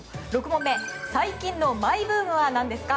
６問目、最近のマイブームは何ですか？